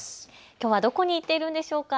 きょうはどこに行っているのでしょうか。